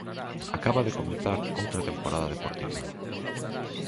Acaba de comezar outra temporada deportiva.